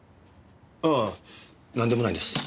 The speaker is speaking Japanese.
ああなんでもないんです。